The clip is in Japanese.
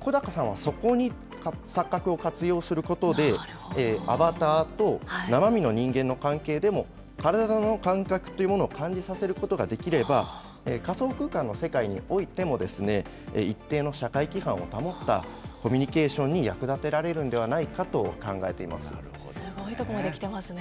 小鷹さんはそこに錯覚を活用することで、アバターと生身の人間の関係でも、体の感覚というものを感じさせることができれば、仮想空間の世界においても、一定の社会規範を保ったコミュニケーションに役立てられるんではすごいところまで来てますね。